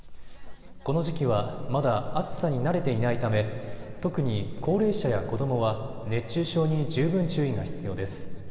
この時期はまだ暑さに慣れていないため特に高齢者や子どもは熱中症に十分注意が必要です。